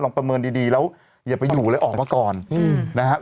ประเมินดีแล้วอย่าไปอยู่เลยออกมาก่อนนะครับ